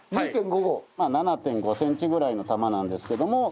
７．５センチぐらいの玉なんですけども。